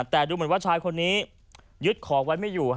แต่ดูเหมือนว่าชายคนนี้ยึดของไว้ไม่อยู่